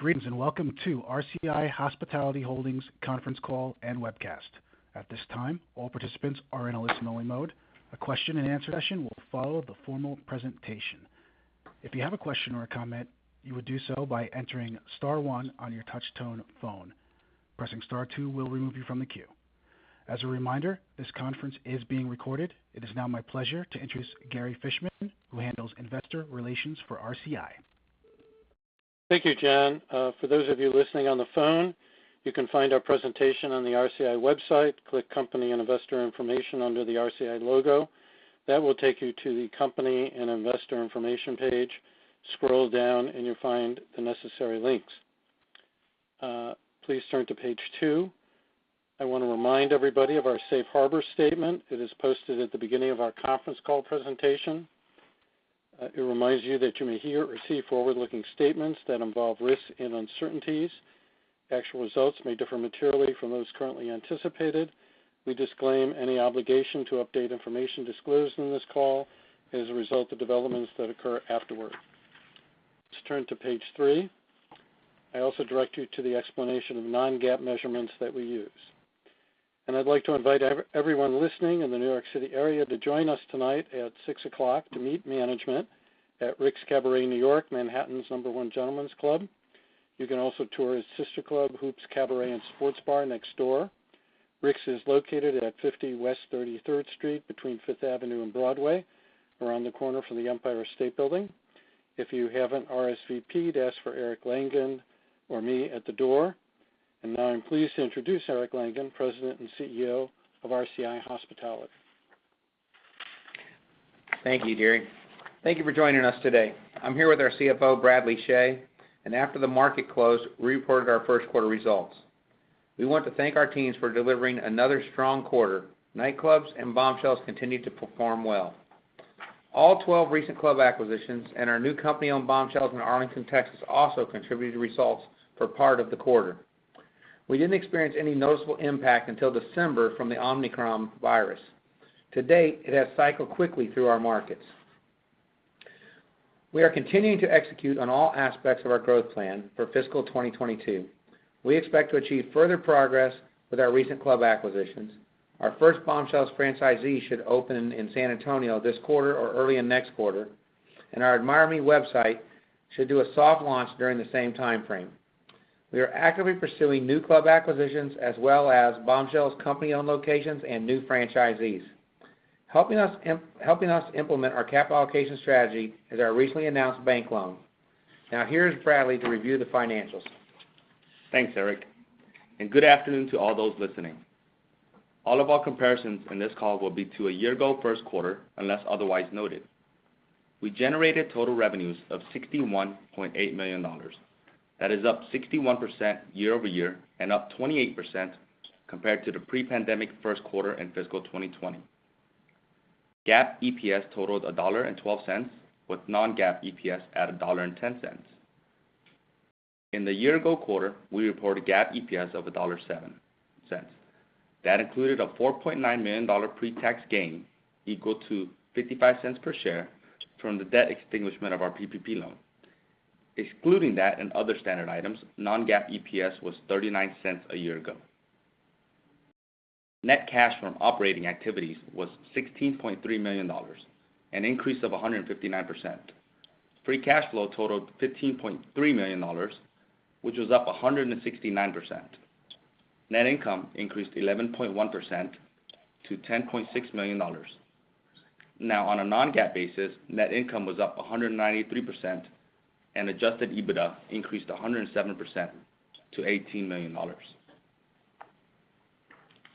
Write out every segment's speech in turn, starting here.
Greetings, and welcome to RCI Hospitality Holdings conference call and webcast. At this time, all participants are in a listen-only mode. A question-and-answer session will follow the formal presentation. If you have a question or a comment, you would do so by entering star one on your touch-tone phone. Pressing star two will remove you from the queue. As a reminder, this conference is being recorded. It is now my pleasure to introduce Gary Fishman, who handles investor relations for RCI. Thank you, John. For those of you listening on the phone, you can find our presentation on the RCI website. Click Company and Investor Information under the RCI logo. That will take you to the company and investor information page. Scroll down, and you'll find the necessary links. Please turn to page two. I wanna remind everybody of our safe harbor statement. It is posted at the beginning of our conference call presentation. It reminds you that you may hear or receive forward-looking statements that involve risks and uncertainties. Actual results may differ materially from those currently anticipated. We disclaim any obligation to update information disclosed in this call as a result of developments that occur afterward. Let's turn to page three. I also direct you to the explanation of non-GAAP measurements that we use. I'd like to invite everyone listening in the New York City area to join us tonight at 6:00 P.M. to meet management at Rick's Cabaret New York, Manhattan's number one gentlemen's club. You can also tour his sister club, Hoops Cabaret and Sports Bar, next door. Rick's is located at 50 West 33rd Street between Fifth Avenue and Broadway, around the corner from the Empire State Building. If you haven't RSVP'd, ask for Eric Langan or me at the door. I'm pleased to introduce Eric Langan, President and CEO of RCI Hospitality. Thank you, Gary. Thank you for joining us today. I'm here with our CFO, Bradley Chhay, and after the market close, we reported our first quarter results. We want to thank our teams for delivering another strong quarter. Nightclubs and Bombshells continued to perform well. All 12 recent club acquisitions and our new company-owned Bombshells in Arlington, Texas also contributed to results for part of the quarter. We didn't experience any noticeable impact until December from the Omicron virus. To date, it has cycled quickly through our markets. We are continuing to execute on all aspects of our growth plan for fiscal 2022. We expect to achieve further progress with our recent club acquisitions. Our first Bombshells franchisee should open in San Antonio this quarter or early in next quarter, and our AdmireMe website should do a soft launch during the same timeframe. We are actively pursuing new club acquisitions as well as Bombshells company-owned locations and new franchisees. Helping us implement our capital allocation strategy is our recently announced bank loan. Now here's Bradley to review the financials. Thanks, Eric, and good afternoon to all those listening. All of our comparisons in this call will be to a year-ago first quarter, unless otherwise noted. We generated total revenues of $61.8 million. That is up 61% year-over-year and up 28% compared to the pre-pandemic first quarter in fiscal 2020. GAAP EPS totaled $1.12, with non-GAAP EPS at $1.10. In the year-ago quarter, we reported GAAP EPS of $1.07. That included a $4.9 million pre-tax gain equal to $0.55 per share from the debt extinguishment of our PPP loan. Excluding that and other standard items, non-GAAP EPS was $0.39 a year ago. Net cash from operating activities was $16.3 million, an increase of 159%. Free cash flow totaled $15.3 million, which was up 169%. Net income increased 11.1% to $10.6 million. Now, on a non-GAAP basis, net income was up 193%, and adjusted EBITDA increased 107% to $18 million.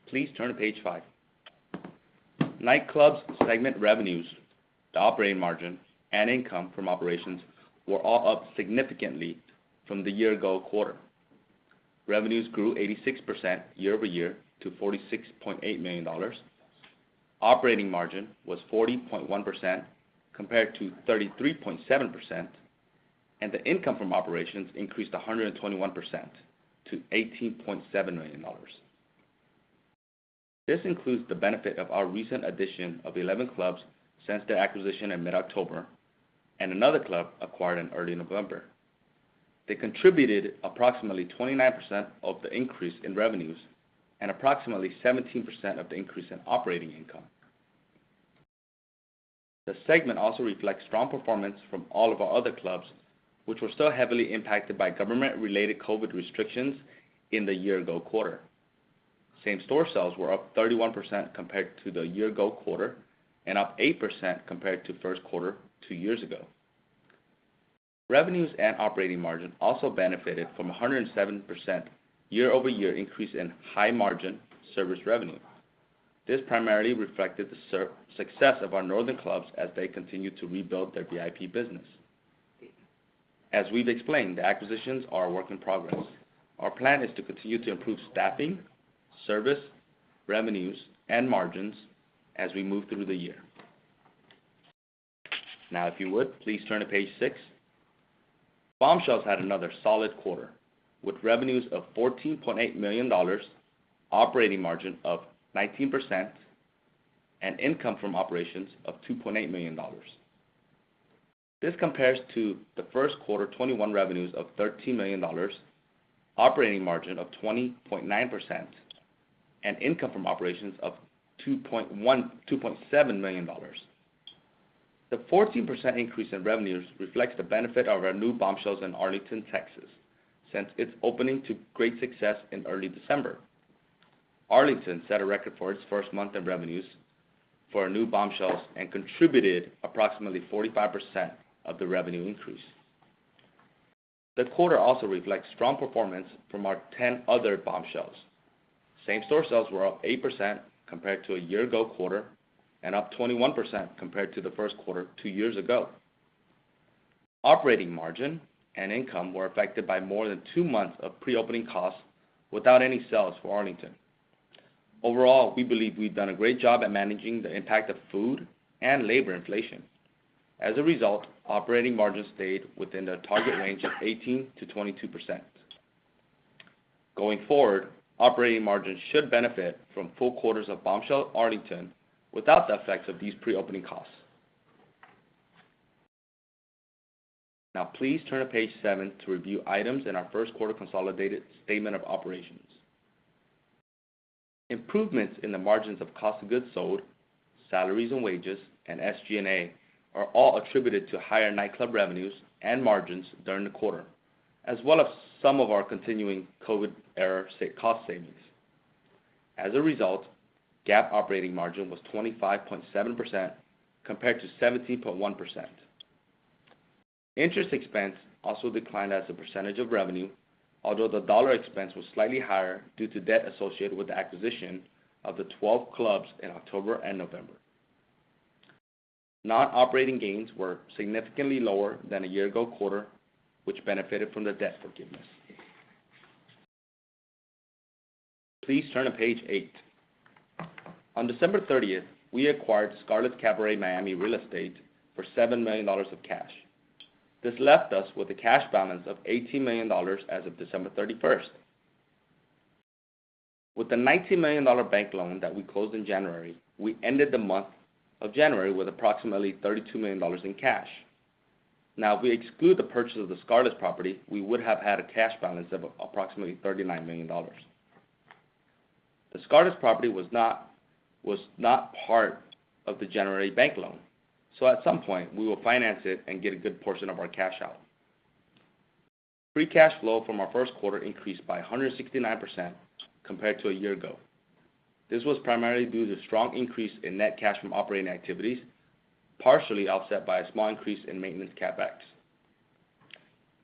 Please turn to page five. Nightclubs segment revenues, the operating margin, and income from operations were all up significantly from the year ago quarter. Revenues grew 86% year over year to $46.8 million. Operating margin was 40.1% compared to 33.7%, and the income from operations increased 121% to $18.7 million. This includes the benefit of our recent addition of 11 clubs since the acquisition in mid-October and another club acquired in early November. They contributed approximately 29% of the increase in revenues and approximately 17% of the increase in operating income. The segment also reflects strong performance from all of our other clubs, which were still heavily impacted by government-related COVID restrictions in the year-ago quarter. Same-store sales were up 31% compared to the year-ago quarter and up 8% compared to first quarter two years ago. Revenues and operating margin also benefited from a 107% year-over-year increase in high margin service revenue. This primarily reflected the success of our northern clubs as they continued to rebuild their VIP business. As we've explained, the acquisitions are a work in progress. Our plan is to continue to improve staffing, service, revenues, and margins as we move through the year. Now, if you would, please turn to page six. Bombshells had another solid quarter with revenues of $14.8 million, operating margin of 19% and income from operations of $2.8 million. This compares to the first quarter 2021 revenues of $13 million, operating margin of 20.9%, and income from operations of $2.7 million. The 14% increase in revenues reflects the benefit of our new Bombshells in Arlington, Texas, since its opening to great success in early December. Arlington set a record for its first month of revenues for our new Bombshells and contributed approximately 45% of the revenue increase. The quarter also reflects strong performance from our 10 other Bombshells. Same-store sales were up 8% compared to a year ago quarter and up 21% compared to the first quarter two years ago. Operating margin and income were affected by more than two months of pre-opening costs without any sales for Arlington. Overall, we believe we've done a great job at managing the impact of food and labor inflation. As a result, operating margins stayed within the target range of 18%-22%. Going forward, operating margins should benefit from full quarters of Bombshells Arlington without the effects of these pre-opening costs. Now please turn to page seven to review items in our first quarter consolidated statement of operations. Improvements in the margins of cost of goods sold, salaries and wages, and SG&A are all attributed to higher nightclub revenues and margins during the quarter, as well as some of our continuing COVID-era cost savings. As a result, GAAP operating margin was 25.7% compared to 17.1%. Interest expense also declined as a percentage of revenue, although the dollar expense was slightly higher due to debt associated with the acquisition of the 12 clubs in October and November. Non-operating gains were significantly lower than a year-ago quarter, which benefited from the debt forgiveness. Please turn to page eight. On December 30, we acquired Scarlett's Cabaret Miami real estate for $7 million of cash. This left us with a cash balance of $80 million as of December 31. With the $19 million bank loan that we closed in January, we ended the month of January with approximately $32 million in cash. Now, if we exclude the purchase of the Scarlett's property, we would have had a cash balance of approximately $39 million. The Scarlett's property was not part of the January bank loan, so at some point we will finance it and get a good portion of our cash out. Free cash flow from our first quarter increased by 169% compared to a year ago. This was primarily due to the strong increase in net cash from operating activities, partially offset by a small increase in maintenance CapEx.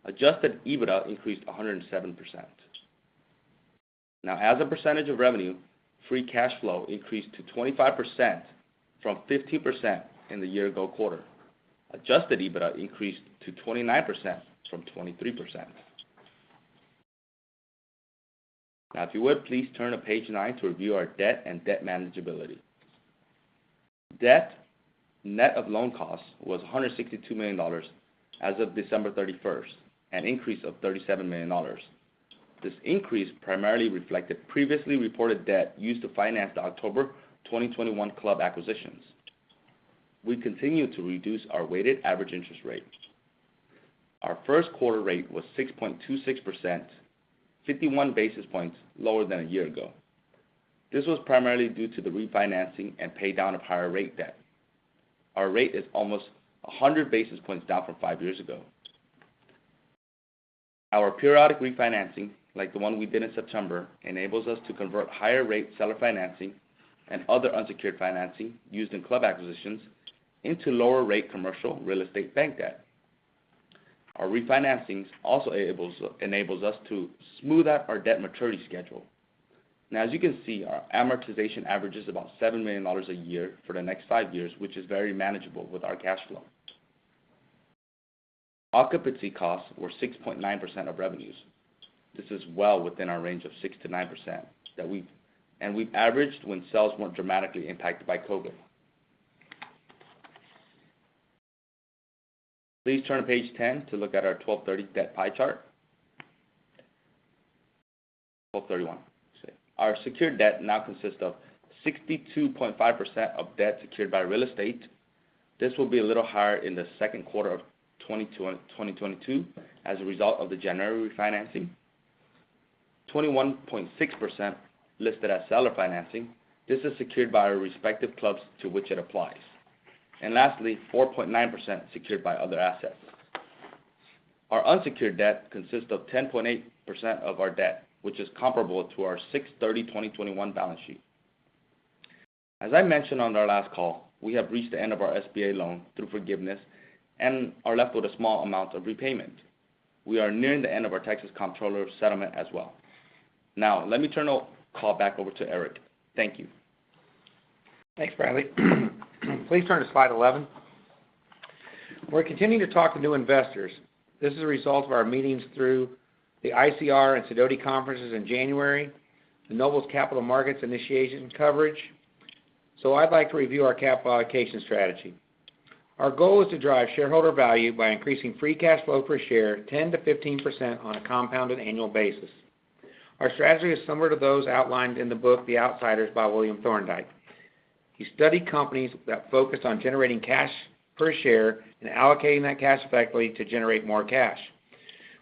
Adjusted EBITDA increased 107%. Now, as a percentage of revenue, free cash flow increased to 25% from 15% in the year ago quarter. Adjusted EBITDA increased to 29% from 23%. Now if you would, please turn to page nine to review our debt and debt manageability. Debt net of loan costs was $162 million as of December 31, an increase of $37 million. This increase primarily reflected previously reported debt used to finance the October 2021 club acquisitions. We continue to reduce our weighted average interest rate. Our first quarter rate was 6.26%, 51 basis points lower than a year ago. This was primarily due to the refinancing and pay down of higher rate debt. Our rate is almost 100 basis points down from five years ago. Our periodic refinancing, like the one we did in September, enables us to convert higher rate seller financing and other unsecured financing used in club acquisitions into lower rate commercial real estate bank debt. Our refinancings also enables us to smooth out our debt maturity schedule. Now as you can see, our amortization average is about $7 million a year for the next five years, which is very manageable with our cash flow. Occupancy costs were 6.9% of revenues. This is well within our range of 6%-9% that we've averaged when sales weren't dramatically impacted by COVID. Please turn to page 10 to look at our 12/30 debt pie chart. 12/31, sorry. Our secured debt now consists of 62.5% of debt secured by real estate. This will be a little higher in the second quarter of 2022 as a result of the January refinancing. 21.6% listed as seller financing. This is secured by our respective clubs to which it applies. Lastly, 4.9% secured by other assets. Our unsecured debt consists of 10.8% of our debt, which is comparable to our 6/30/2021 balance sheet. As I mentioned on our last call, we have reached the end of our SBA loan through forgiveness and are left with a small amount of repayment. We are nearing the end of our Texas Comptroller settlement as well. Now let me turn the call back over to Eric. Thank you. Thanks, Bradley. Please turn to slide 11. We're continuing to talk to new investors. This is a result of our meetings through the ICR and Sidoti conferences in January, the Noble Capital Markets initiation coverage. I'd like to review our capital allocation strategy. Our goal is to drive shareholder value by increasing free cash flow per share 10%-15% on a compounded annual basis. Our strategy is similar to those outlined in the book, The Outsiders by William Thorndike. He studied companies that focused on generating cash per share and allocating that cash effectively to generate more cash.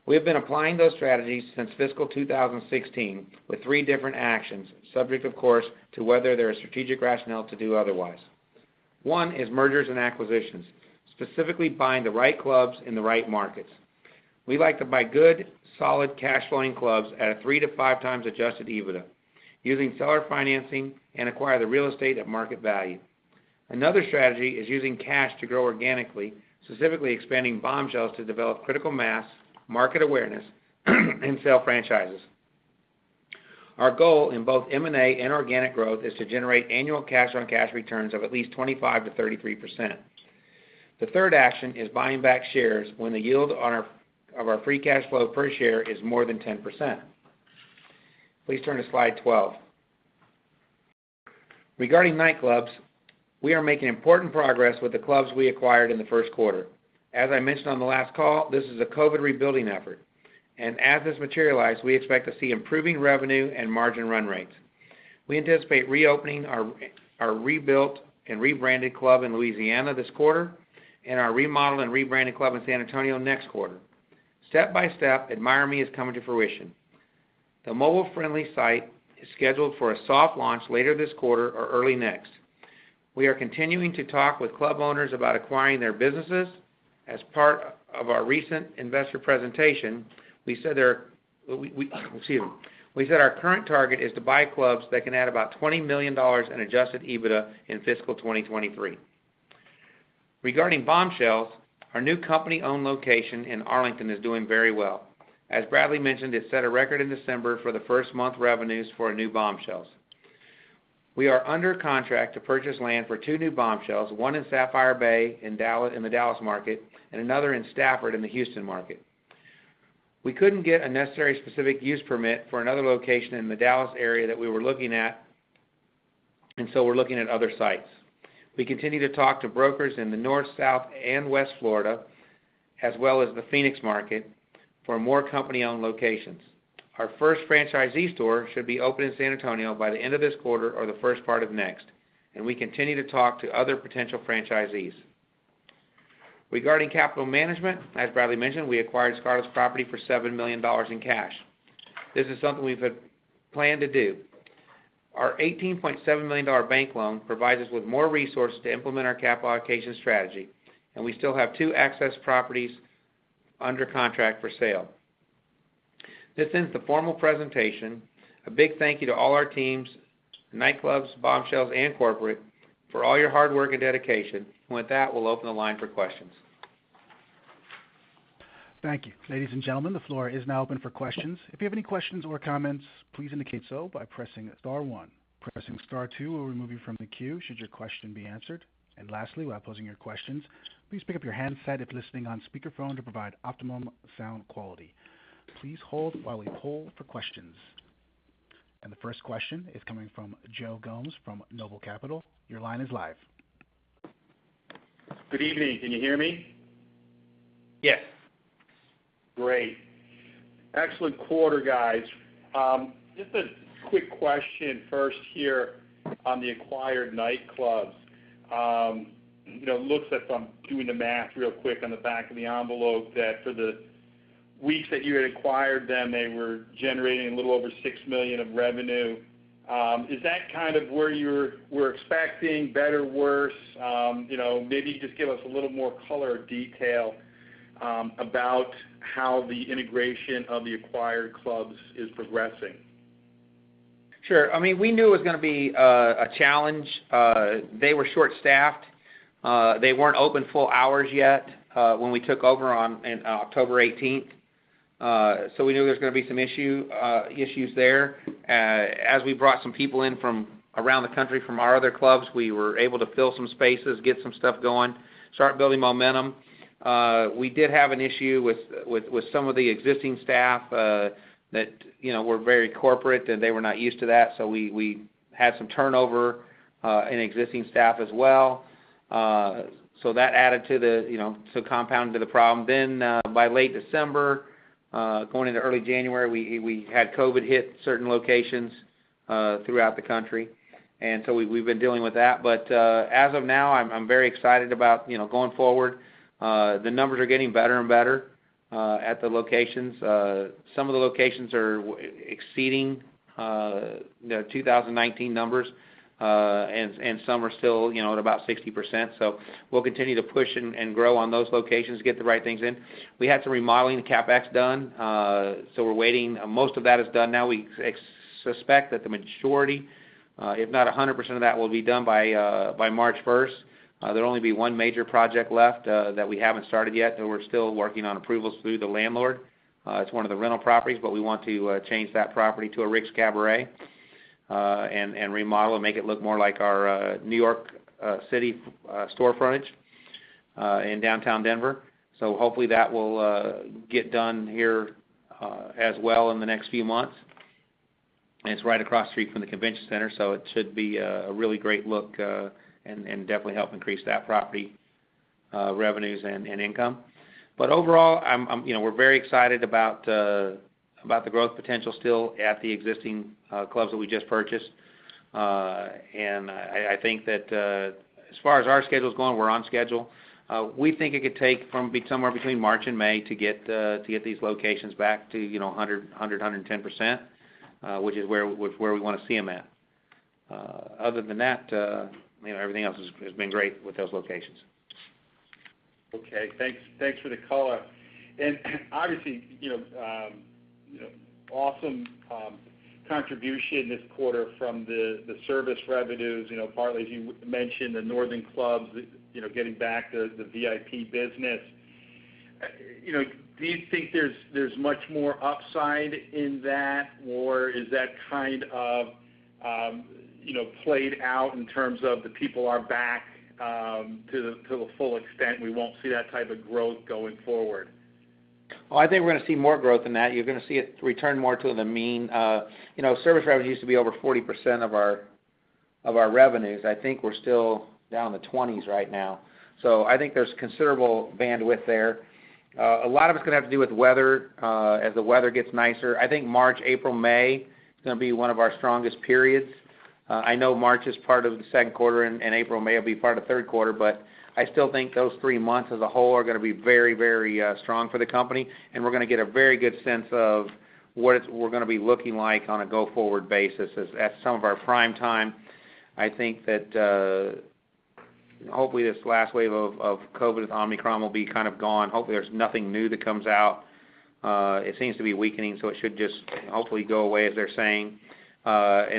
We have been applying those strategies since fiscal 2016, with three different actions, subject of course, to whether there is strategic rationale to do otherwise. One is mergers and acquisitions, specifically buying the right clubs in the right markets. We like to buy good, solid cash flowing clubs at a 3x-5x adjusted EBITDA, using seller financing and acquire the real estate at market value. Another strategy is using cash to grow organically, specifically expanding Bombshells to develop critical mass, market awareness, and sell franchises. Our goal in both M&A and organic growth is to generate annual cash-on-cash returns of at least 25%-33%. The third action is buying back shares when the yield of our free cash flow per share is more than 10%. Please turn to slide 12. Regarding nightclubs, we are making important progress with the clubs we acquired in the first quarter. As I mentioned on the last call, this is a COVID rebuilding effort, and as this materialized, we expect to see improving revenue and margin run rates. We anticipate reopening our rebuilt and rebranded club in Louisiana this quarter and our remodeled and rebranded club in San Antonio next quarter. Step by step, AdmireMe is coming to fruition. The mobile-friendly site is scheduled for a soft launch later this quarter or early next. We are continuing to talk with club owners about acquiring their businesses. As part of our recent investor presentation, we said our current target is to buy clubs that can add about $20 million in adjusted EBITDA in fiscal 2023. Regarding Bombshells, our new company-owned location in Arlington is doing very well. As Bradley mentioned, it set a record in December for the first-month revenues for our new Bombshells. We are under contract to purchase land for two new Bombshells, one in Sapphire Bay in the Dallas market, and another in Stafford in the Houston market. We couldn't get a necessary specific use permit for another location in the Dallas area that we were looking at, and so we're looking at other sites. We continue to talk to brokers in the North, South, and West Florida, as well as the Phoenix market for more company-owned locations. Our first franchisee store should be open in San Antonio by the end of this quarter or the first part of next, and we continue to talk to other potential franchisees. Regarding capital management, as Bradley mentioned, we acquired Scarlett's property for $7 million in cash. This is something we've had planned to do. Our $18.7 million bank loan provides us with more resources to implement our capital allocation strategy, and we still have two excess properties under contract for sale. This ends the formal presentation. A big thank you to all our teams, nightclubs, Bombshells and corporate for all your hard work and dedication. With that, we'll open the line for questions. Thank you. Ladies and gentlemen, the floor is now open for questions. If you have any questions or comments, please indicate so by pressing star one. Pressing star two will remove you from the queue should your question be answered. Lastly, while posing your questions, please pick up your handset if listening on speakerphone to provide optimum sound quality. Please hold while we hold for questions. The first question is coming from Joe Gomes from Noble Capital. Your line is live. Good evening. Can you hear me? Yes. Great. Excellent quarter, guys. Just a quick question first here on the acquired nightclubs. You know, looks as if I'm doing the math real quick on the back of the envelope, that for the weeks that you had acquired them, they were generating a little over $6 million of revenue. Is that kind of where you were expecting, better, worse? You know, maybe just give us a little more color or detail about how the integration of the acquired clubs is progressing. Sure. I mean, we knew it was gonna be a challenge. They were short-staffed. They weren't open full hours yet when we took over in October 18. We knew there was gonna be some issues there. As we brought some people in from around the country from our other clubs, we were able to fill some spaces, get some stuff going, start building momentum. We did have an issue with some of the existing staff that you know were very corporate, and they were not used to that, so we had some turnover in existing staff as well. That added to the you know compounded the problem. By late December going into early January, we had COVID hit certain locations throughout the country. We've been dealing with that. As of now, I'm very excited about, you know, going forward. The numbers are getting better and better at the locations. Some of the locations are exceeding the 2019 numbers, and some are still, you know, at about 60%. We'll continue to push and grow on those locations, get the right things in. We had some remodeling, the CapEx done, so we're waiting. Most of that is done now. We suspect that the majority, if not 100% of that will be done by March 1. There'll only be one major project left that we haven't started yet, and we're still working on approvals through the landlord. It's one of the rental properties, but we want to change that property to a Rick's Cabaret and remodel and make it look more like our New York City store frontage in downtown Denver. Hopefully that will get done here as well in the next few months. It's right across the street from the convention center, so it should be a really great look and definitely help increase that property revenues and income. Overall, I'm, you know, we're very excited about the growth potential still at the existing clubs that we just purchased. I think that as far as our schedule's going, we're on schedule. We think it could take somewhere between March and May to get these locations back to, you know, 100%-110%, which is where we wanna see them at. Other than that, you know, everything else has been great with those locations. Okay. Thanks for the color. Obviously, you know, awesome contribution this quarter from the service revenues, you know, partly as you mentioned, the northern clubs, you know, getting back the VIP business. You know, do you think there's much more upside in that, or is that kind of, you know, played out in terms of the people are back to the full extent, we won't see that type of growth going forward? Well, I think we're gonna see more growth than that. You're gonna see it return more to the mean. You know, service revenue used to be over 40% of our revenues. I think we're still down in the 20s right now. I think there's considerable bandwidth there. A lot of it's gonna have to do with weather, as the weather gets nicer. I think March, April, May is gonna be one of our strongest periods. I know March is part of the second quarter and April, May will be part of the third quarter, but I still think those three months as a whole are gonna be very strong for the company, and we're gonna get a very good sense of what we're gonna be looking like on a go-forward basis as, at some of our prime time. I think that hopefully this last wave of COVID Omicron will be kind of gone. Hopefully there's nothing new that comes out. It seems to be weakening, so it should just hopefully go away as they're saying.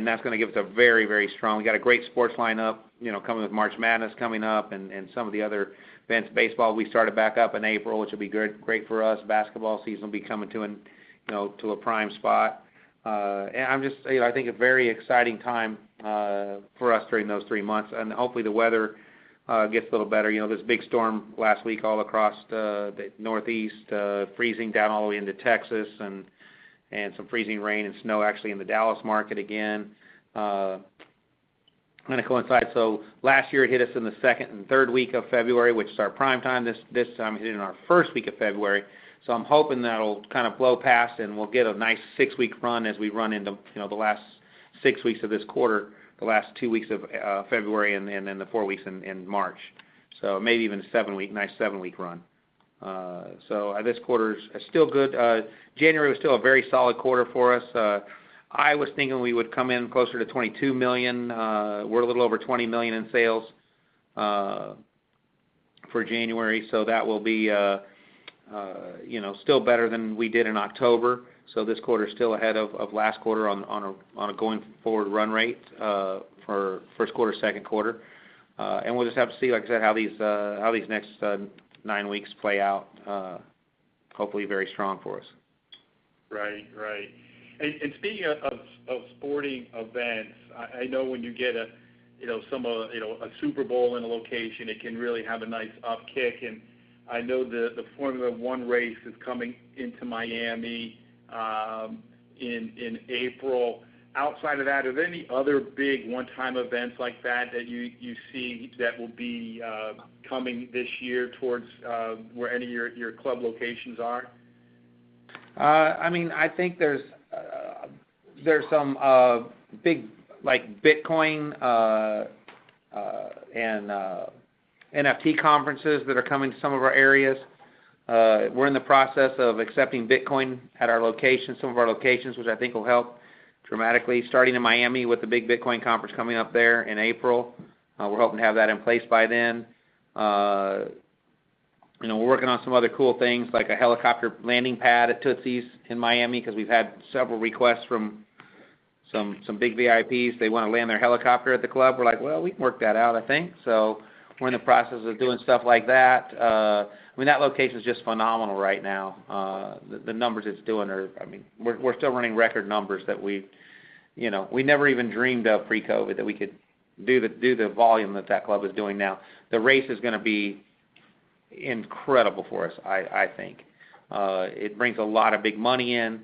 That's gonna give us a very, very strong. We got a great sports lineup, you know, coming with March Madness coming up and some of the other events. Baseball will be started back up in April, which will be good, great for us. Basketball season will be coming, you know, to a prime spot. I'm just, you know, I think it's a very exciting time for us during those three months, and hopefully the weather gets a little better. You know, this big storm last week all across the Northeast, freezing down all the way into Texas and some freezing rain and snow actually in the Dallas market again, gonna coincide. Last year, it hit us in the second and third week of February, which is our prime time. This time, it hit in our first week of February. I'm hoping that'll kind of blow past, and we'll get a nice six-week run as we run into, you know, the last six weeks of this quarter, the last two weeks of February and then the four weeks in March. Maybe even a nice seven-week run. This quarter is still good. January was still a very solid quarter for us. I was thinking we would come in closer to $22 million. We're a little over $20 million in sales for January, so that will be, you know, still better than we did in October. This quarter is still ahead of last quarter on a going forward run rate for first quarter, second quarter. We'll just have to see, like I said, how these next 9 weeks play out, hopefully very strong for us. Right. Speaking of sporting events, I know when you get a, you know, some of, you know, a Super Bowl in a location, it can really have a nice upkick, and I know the Formula 1 race is coming into Miami in April. Outside of that, are there any other big one-time events like that that you see that will be coming this year towards where any of your club locations are? I mean, I think there's some big like Bitcoin and NFT conferences that are coming to some of our areas. We're in the process of accepting Bitcoin at our locations, some of our locations, which I think will help dramatically, starting in Miami with the big Bitcoin conference coming up there in April. We're hoping to have that in place by then. You know, we're working on some other cool things like a helicopter landing pad at Tootsie's in Miami because we've had several requests from some big VIPs. They wanna land their helicopter at the club. We're like, "Well, we can work that out, I think." We're in the process of doing stuff like that. I mean, that location's just phenomenal right now. The numbers it's doing are, I mean, we're still running record numbers that we've, you know, we never even dreamed of pre-COVID, that we could do the volume that that club is doing now. The race is gonna be incredible for us, I think. It brings a lot of big money in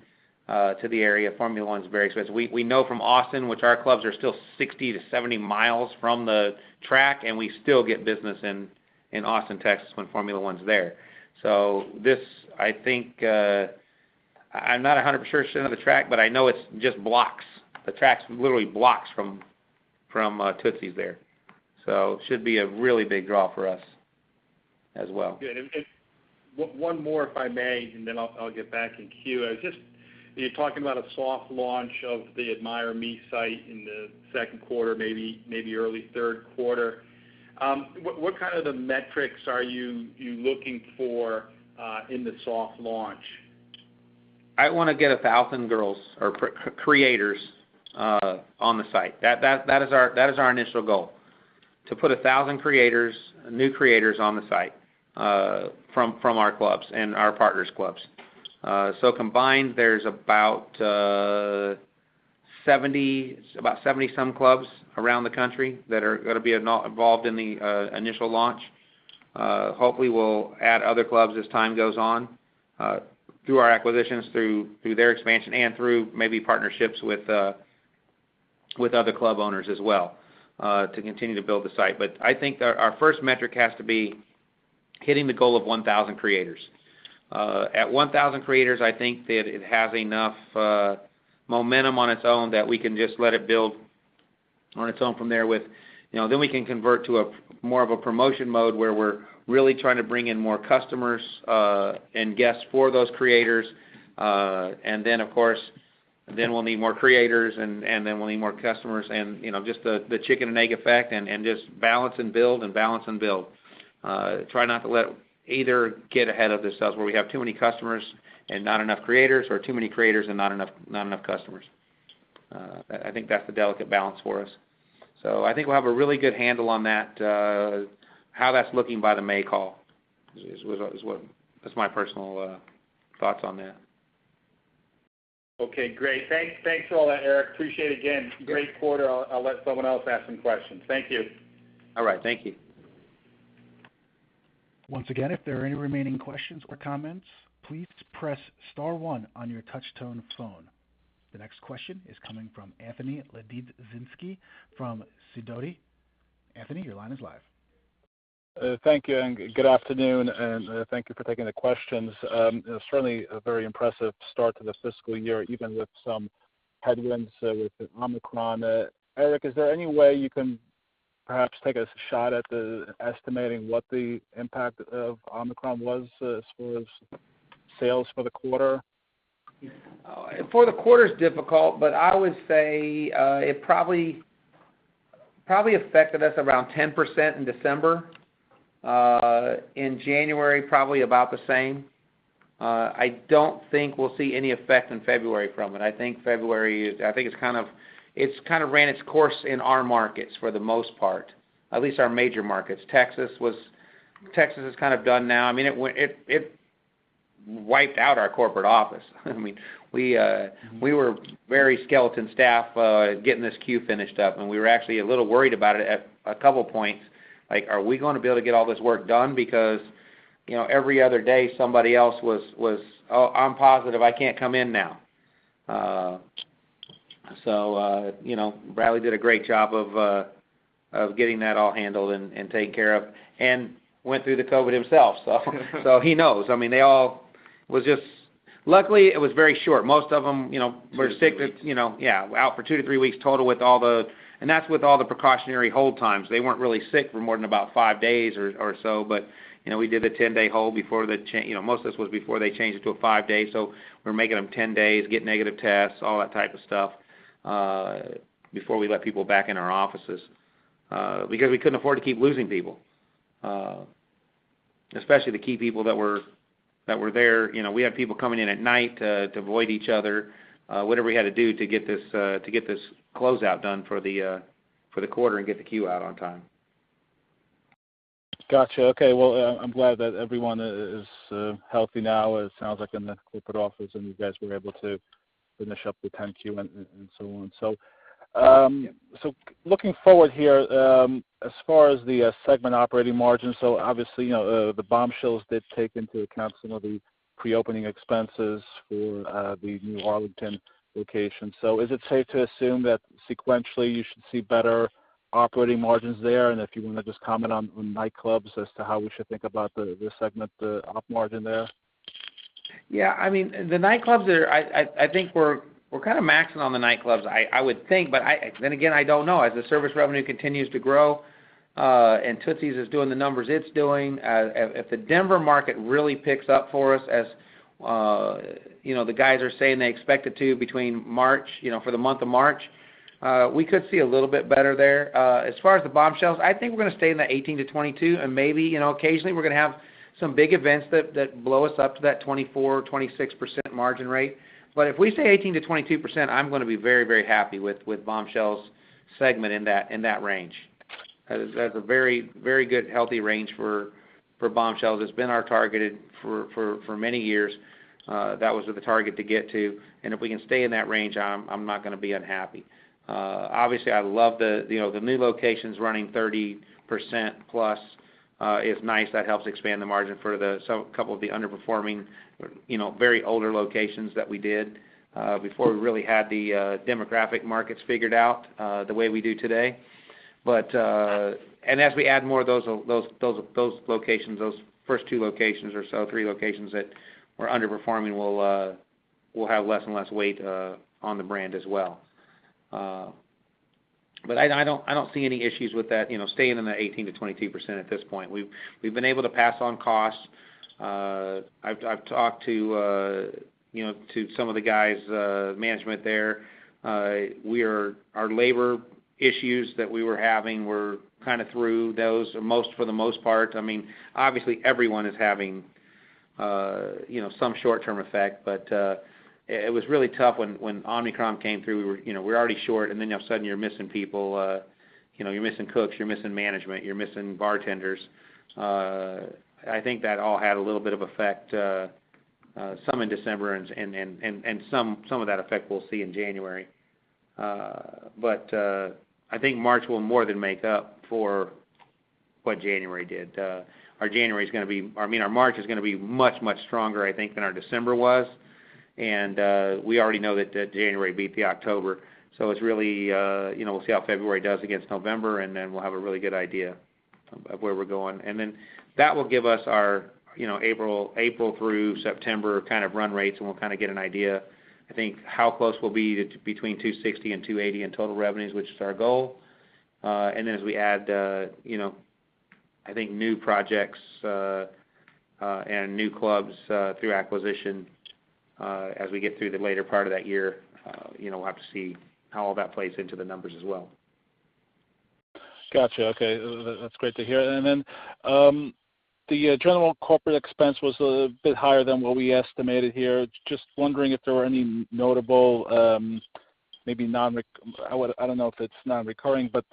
to the area. Formula 1 is very expensive. We know from Austin, which our clubs are still 60-70 miles from the track, and we still get business in Austin, Texas, when Formula 1's there. This, I think, I'm not 100% sure of the track, but I know it's just blocks. The track's literally blocks from Tootsie's there. It should be a really big draw for us as well. Good. One more, if I may, and then I'll get back in queue. I was just, you know, you're talking about a soft launch of the AdmireMe site in the second quarter, maybe early third quarter. What kind of metrics are you looking for in the soft launch? I wanna get 1,000 girls or creators on the site. That is our initial goal, to put 1,000 new creators on the site from our clubs and our partners' clubs. So combined, there's about 70-some clubs around the country that are gonna be involved in the initial launch. Hopefully, we'll add other clubs as time goes on through our acquisitions, through their expansion, and through maybe partnerships with other club owners as well to continue to build the site. I think our first metric has to be hitting the goal of 1,000 creators. At 1,000 creators, I think that it has enough momentum on its own that we can just let it build on its own from there. You know, we can convert to a more of a promotion mode where we're really trying to bring in more customers and guests for those creators. Of course, we'll need more creators, and then we'll need more customers and, you know, just the chicken and egg effect and just balance and build. Try not to let either get ahead of themselves, where we have too many customers and not enough creators or too many creators and not enough customers. I think that's the delicate balance for us. I think we'll have a really good handle on that, how that's looking by the May call is what that's my personal thoughts on that. Okay, great. Thanks. Thanks for all that, Eric. Appreciate it again. Yeah. Great quarter. I'll let someone else ask some questions. Thank you. All right. Thank you. Once again, if there are any remaining questions or comments, please press star one on your touch tone phone. The next question is coming from Anthony Lebiedzinski from Sidoti. Anthony, your line is live. Thank you, and good afternoon, and thank you for taking the questions. Certainly a very impressive start to the fiscal year, even with some headwinds with Omicron. Eric, is there any way you can perhaps take a shot at estimating what the impact of Omicron was as far as sales for the quarter? For the quarter is difficult, but I would say it probably affected us around 10% in December. In January, probably about the same. I don't think we'll see any effect in February from it. I think February, I think it's kind of ran its course in our markets for the most part, at least our major markets. Texas is kind of done now. I mean, it wiped out our corporate office. I mean, we were very skeleton staff getting this Q finished up, and we were actually a little worried about it at a couple of points. Like, are we gonna be able to get all this work done? Because, you know, every other day, somebody else was, "Oh, I'm positive I can't come in now." So, you know, Bradley did a great job of getting that all handled and taken care of and went through the COVID himself. So he knows. I mean, they all was just. Luckily, it was very short. Most of them, you know, were sick. two to three weeks. You know, yeah, out for two to three weeks total with all the precautionary hold times. That's with all the precautionary hold times. They weren't really sick for more than about five days or so. You know, we did the 10-day hold before the change. You know, most of this was before they changed it to a five-day. We're making them 10 days, get negative tests, all that type of stuff before we let people back in our offices because we couldn't afford to keep losing people, especially the key people that were there. You know, we had people coming in at night to avoid each other, whatever we had to do to get this closeout done for the quarter and get the Q out on time. Gotcha. Okay. Well, I'm glad that everyone is healthy now, it sounds like in the corporate office, and you guys were able to finish up the 10-Q and so on. Looking forward here, as far as the segment operating margin, obviously, you know, the Bombshells did take into account some of the pre-opening expenses for the new Arlington location. Is it safe to assume that sequentially you should see better operating margins there? If you wanna just comment on nightclubs as to how we should think about the segment, the op margin there. Yeah. I mean, the nightclubs are. I think we're kind of maxing on the nightclubs. I would think, but then again, I don't know. As the service revenue continues to grow, and Tootsie's is doing the numbers it's doing, if the Denver market really picks up for us as you know, the guys are saying they expect it to between March, you know, for the month of March, we could see a little bit better there. As far as the Bombshells, I think we're gonna stay in the 18%-22%, and maybe, you know, occasionally we're gonna have some big events that blow us up to that 24%-26% margin rate. But if we stay 18%-22%, I'm gonna be very, very happy with Bombshells segment in that range. That is, that's a very, very good healthy range for Bombshells. It's been our targeted for many years. That was the target to get to, and if we can stay in that range, I'm not gonna be unhappy. Obviously, I love you know, the new locations running 30%+ is nice. That helps expand the margin for the couple of the underperforming, you know, very older locations that we did before we really had the demographic markets figured out the way we do today. And as we add more of those locations, those first two locations or so, three locations that were underperforming will have less and less weight on the brand as well. I don't see any issues with that, you know, staying in the 18%-22% at this point. We've been able to pass on costs. I've talked to you know, to some of the guys, management there. Our labor issues that we were having, we're kind of through those for the most part. I mean, obviously everyone is having you know, some short-term effect, but it was really tough when Omicron came through. We were you know, already short, and then all of a sudden you're missing people. You know, you're missing cooks, you're missing management, you're missing bartenders. I think that all had a little bit of effect, some in December and some of that effect we'll see in January. I think March will more than make up for what January did. I mean, our March is going to be much, much stronger, I think, than our December was. We already know that January beat October. It's really, you know, we'll see how February does against November, and then we'll have a really good idea of where we're going. That will give us our, you know, April through September kind of run rates, and we'll kind of get an idea, I think, how close we'll be to between $260 and $280 in total revenues, which is our goal. As we add, you know, I think new projects and new clubs through acquisition, as we get through the later part of that year, you know, we'll have to see how all that plays into the numbers as well. Got you. Okay. That's great to hear. The general corporate expense was a bit higher than what we estimated here. Just wondering if there were any notable. I don't know if it's non-recurring, but